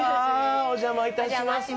お邪魔いたします。